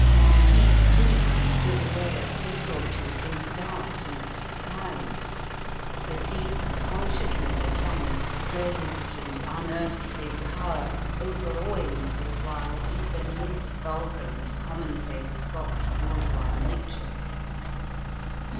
Monteith, too, stood away a pace or two, in doubt and surprise, the deep consciousness of some strange and unearthly power overawing for a while even his vulgar and commonplace Scotch bourgeois nature.